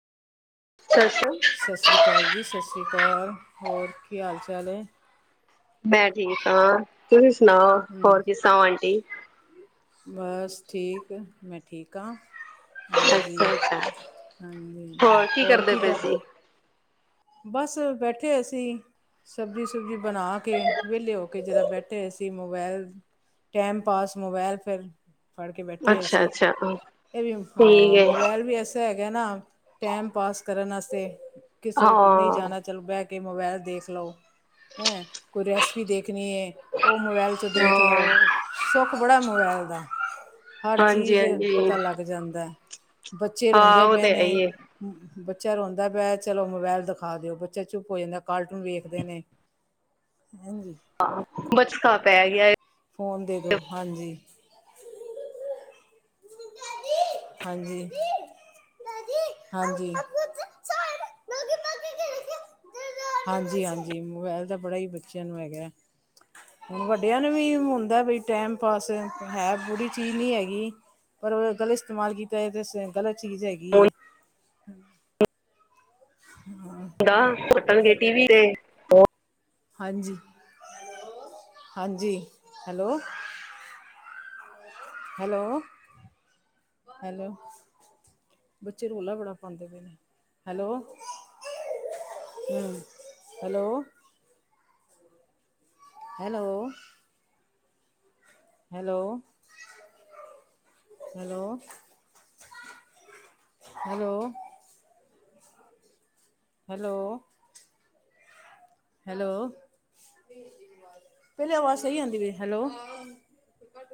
ਸਤਿ ਸ਼੍ਰੀ ਅਕਾਲ। ਸਤਿ ਸ਼੍ਰੀ ਅਕਾਲ ਜੀ, ਸਤਿ ਸ਼੍ਰੀ ਅਕਾਲ। ਹੋਰ ਕੀ ਹਾਲ ਚਾਲ ਹੈ? ਮੈਂ ਠੀਕ ਹਾਂ, ਤੁਸੀਂ ਸੁਣਾਓ, ਹਮ ਹੋਰ ਕਿਸ ਤਰਾਂ ਹੋ ਆਂਟੀ? ਬਸ, ਠੀਕ ਮੈਂ ਠੀਕ ਹਾਂ। ਹਾਂਜੀ, ਅੱਛਾ ਅੱਛਾ ਹਾਂਜੀ ਹੋਰ ਕਰਦੇ ਕੀ ਪਏ ਕਰ ਸੀ ਬਸ ਬੈਠੇ ਅਸੀਂ, ਸਬਜ਼ੀ ਸੁਬਜ਼ੀ ਬਣਾ ਕੇ ਵਿਹਲੇ ਹੋ ਕੇ ਜਰਾ ਬੈਠੇ ਹੋਏ ਸੀ ਸੀ ਮੋਬਾਇਲ ਟੈਮ ਪਾਸ ਮੋਬਾਇਲ ਫਿਰ ਫੜ ਕੇ ਬੈਠੇ ਹੋਏ ਅੱਛਾ ਸੀ ਅੱਛਾ ਇਹ ਵੀ ਠੀਕ ਹ ਹੈ ਮੋਬਾਈਲ ਵੀ ਅਸ ਹੈਗੇ ਨਾ ਟਾਈਮ ਪਾਸ ਕਰਨ ਵਸਤੇ ਕਿਸੇ ਕਿ ਨਹੀਂ ਹਾਂ ਜਾਣਾ ਚਲੋ ਬਹਿ ਕੇ ਮੋਬਾਇਲ ਦੇਖ ਲਓ ਹੈਂ ਕੋਈ ਰੈਸਪੀ ਦੇਖਣੀ ਐ। ਉਹ ਮੋਬਾਇਲ ਚ ਦੇਖ ਲਾਓ ਹਾਂ ਸੁਖ ਬੜਾ ਮੋਬਾਇਲ ਦਾ। ਹਰ ਹਾਂਜੀ ਚੀਜ਼ ਹਾਂਜੀ ਪਤਾ ਲੱਗ ਜਾਂਦਾ ਹੈ। ਬੱਚੇ ਹਾਂ ਰੋਂਦੇ ਉਹ ਪਏ ਤੇ ਹੈ ਨੇ। ਹੀ ਹੈ ਬੱਚਾ ਰੋਂਦਾ ਪਿਆ, ਚਲੋ ਮੋਬਾਇਲ ਦਿਖਾ ਖਾ ਦਿਓ ਬੱਚਾ ਚੁੱਪ ਹੋ ਜਾਂਦਾ, ਕਾਰਟੂਨ ਵੇਖਦੇ ਨੇ ਹਜੀ ਹਾਂ, ਬਚਕਾ ਪੈ ਗਿਆ ਏ। ਫੋਨ ਦੇ ਦੋ ਹਾਂਜੀ ਹਾਂਜੀ। ਹਾਂਜੀ [unintelligible] ਹ ਹਾਂਜੀ ਹਾਂਜੀ। ਮੋਬਾਇਲ ਤਾਂ ਬੜਾ ਹੀ ਬੱਚਿਆਂ ਨੂੰ ਹੈਗਾ। ਹੁਣ ਵੱਡਿਆਂ ਨੂੰ ਵੀ ਹੁੰਦਾ ਬਈ ਟਾਈਮ ਪਾਸ ਹੈ ਬੁਰੀ ਚੀਜ਼ ਨਹੀਂ ਹੈਗੀ। ਪਰ ਗਲਤ ਇਸਤੇਮਾਲ ਕੀਤਾ ਜਾ ਤੇ ਗਲਤ ਚੀਜ਼ ਹੈਗੀ। ਕੀ ਫੋਨ ਏ। ਪੱਟਣ, ਗੇਟ। ਟੀਵ ਦੇਖ। ਹਾਂਜੀ -ਹਾਂਜੀ, ਹੈਲੋ। Hello, hello. ਬੱਚੇ, ਰੌਲਾ ਬੜਾ ਪਾਉਂਦੇ ਪਏ ਨੇ, ਹੈਲੋ। ਹਮ, hello. Hello. Hello, hello. Hello. Hello. Hello, ਪਹਿਲੇ ਆਵਾਜ਼ ਸਹੀ ਆਉਂਦੀ ਪਈ, ਹੈਲੋ।